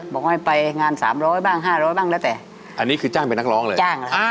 บอกให้ไปงาน๓๐๐บ้าง๕๐๐บ้างแล้วแต่อันนี้คือจ้างเป็นนักร้องเลย